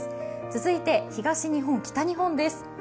続いて東日本、北日本です。